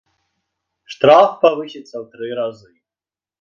Штраф павысіцца ў тры разы.